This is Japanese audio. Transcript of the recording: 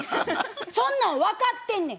そんなん分かってんねん。